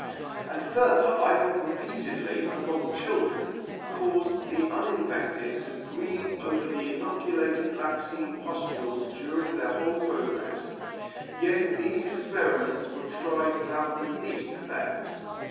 A)nd further, I have repeatedlv, among children, caufed the uninfedted to breathe over the inoculated vaccine pu'Aules during their whole progrefs ; yet thefe experi ments were tried without the lead effedt.